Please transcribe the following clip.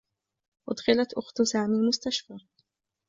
أُدخِلت أخت سامي المستشفى.